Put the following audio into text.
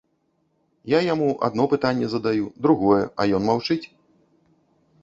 Я яму адно пытанне задаю, другое, а ён маўчыць.